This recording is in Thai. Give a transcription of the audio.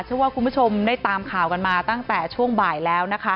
เชื่อว่าคุณผู้ชมได้ตามข่าวกันมาตั้งแต่ช่วงบ่ายแล้วนะคะ